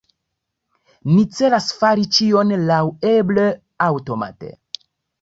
Ni celas fari ĉion laŭeble aŭtomate.